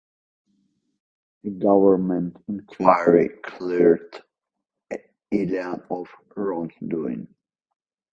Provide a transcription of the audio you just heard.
A government inquiry cleared Elian of wrongdoing.